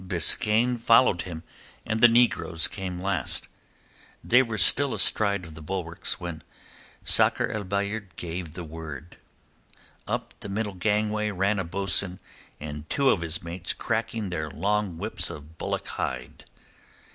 Biskaine followed him and the negroes came last. They were still astride of the bulwarks when Sakr el Bahr gave the word. Up the middle gangway ran a bo'sun and two of his mates cracking their long whips of bullock hide.